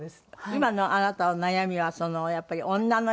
今のあなたの悩みはやっぱり女の色気が。